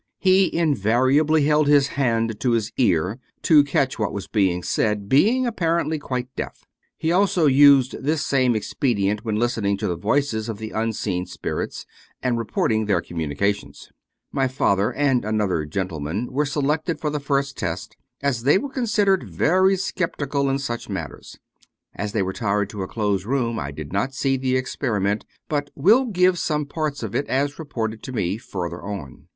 He invariably held his hand to his ear, to catch what was being said, being apparently quite deaf. He also used this same expedient when lis tening to the voices of the unseen spirits, and reporting their communications. My father and another gentleman were selected for the first test, as they were considered very skeptical in such matters. As they retired to a closed room I did not see the experiment, but will give some parts of it as reported to me, farther on.